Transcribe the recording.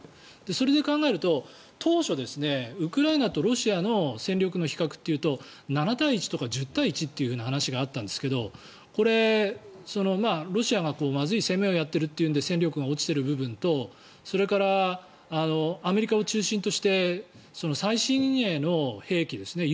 それで考えると当初、ウクライナとロシアの戦力の比較というと７対１とか１０対１という話があったんですけどこれ、ロシアがまずい攻めをやっているというので戦力が落ちている部分とそれから、アメリカを中心として最新鋭の兵器ですね。